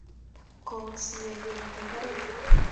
Koutche siweek keboti mbaret